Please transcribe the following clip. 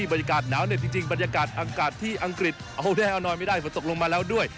บรรยากาศหนาวเหน็ดจริงบรรยากาศอังกฤษที่อังกฤษเอาแท้เอาหน่อยไม่ได้เพราะตกลงมาแล้วด้วย